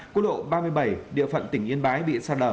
quốc lộ ba mươi bảy địa phận tỉnh yên bái bị sạt lở